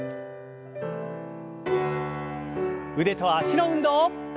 腕と脚の運動。